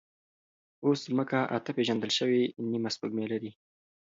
اوس ځمکه اته پېژندل شوې نیمه سپوږمۍ لري.